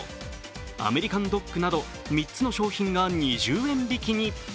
アメリカンドッグなど３つの商品が２０円引きに。